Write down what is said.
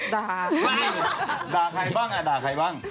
ด่าบ้างด่าใครบ้างอ่ะด่าใครบ้าง